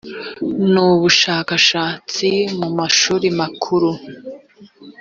n ubushakashatsi mu mashuri makuru